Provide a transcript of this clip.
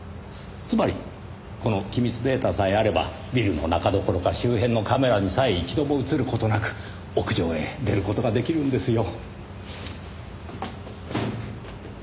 つまりこの機密データさえあればビルの中どころか周辺のカメラにさえ一度も映る事なく屋上へ出る事が出来るんですよ。